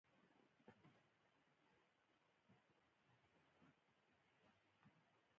میرمنې د اولادونو لپاره دسرپنا حیثیت لري